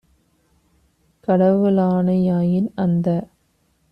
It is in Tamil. கடவுளாணை யாயின், அந்த